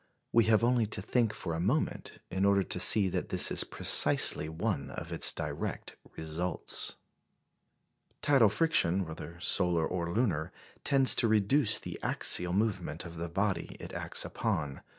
We have only to think for a moment in order to see that this is precisely one of its direct results. Tidal friction, whether solar or lunar, tends to reduce the axial movement of the body it acts upon.